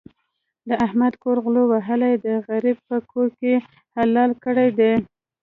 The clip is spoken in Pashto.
د احمد کور غلو وهلی دی؛ غريب يې په کودي کې حلال کړی دی.